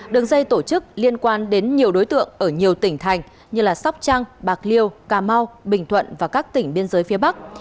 đường dây tổ chức liên quan đến nhiều đối tượng ở nhiều tỉnh thành như sóc trăng bạc liêu cà mau bình thuận và các tỉnh biên giới phía bắc